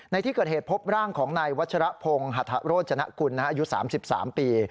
ในที่เกิดเหตุพบร่างของนายวัชรพงศ์หัทโรจนกุลอายุ๓๓ปี